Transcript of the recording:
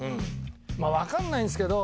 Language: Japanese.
分かんないんすけど。